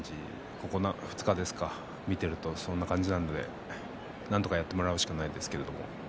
ここ２日ですか見ているとそんな感じなのでなんとかやってもらうしかないですけど。